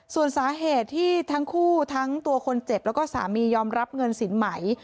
ส่วนสาเหตุที่ทั้งคู่ทั้งตัวคนเจ็บแล้วก็สามียอมรับเงินสินใหม่